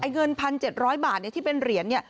เงิน๑๗๐๐บาทที่เป็นเดือน